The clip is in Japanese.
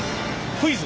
クイズ。